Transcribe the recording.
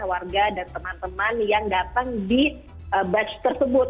warga dan teman teman yang datang di batch tersebut